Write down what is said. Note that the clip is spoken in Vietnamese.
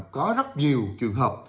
có rất nhiều trường hợp